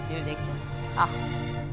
あっ。